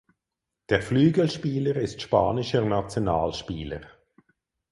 Der Flügelspieler ist spanischer Nationalspieler.